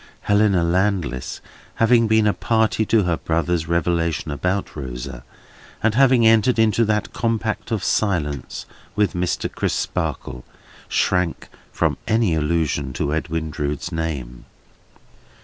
Helena Landless, having been a party to her brother's revelation about Rosa, and having entered into that compact of silence with Mr. Crisparkle, shrank from any allusion to Edwin Drood's name.